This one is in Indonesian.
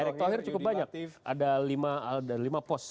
erick thohir cukup banyak ada lima pos